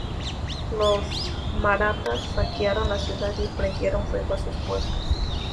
Los marathas saquearon la ciudad y prendieron fuego a sus puertos.